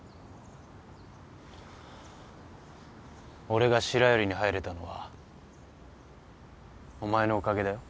俺が白百合に入れたのはお前のおかげだよ。